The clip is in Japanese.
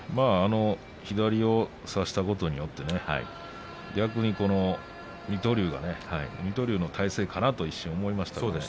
左を差したことによって逆に水戸龍が水戸龍の体勢かなと一瞬思いました。